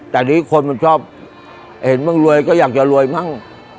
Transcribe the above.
แต่อันนี้คนมันชอบเห็นบ้างรวยก็อยากจะรวยมั่ง